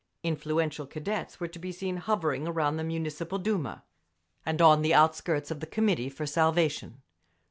Influential Cadets were to be seen hovering around the Municipal Duma, and on the outskirts of the Committee for Salvation.